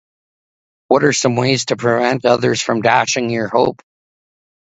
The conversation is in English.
What are some ways to prevent others from dashing your hope?